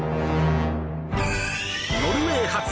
［ノルウェー発。